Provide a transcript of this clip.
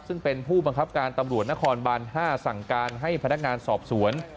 ซึ่งเป็นผู้บังคับการตำรวจนครบาน๕สั่งการให้พนักงานสอบสวน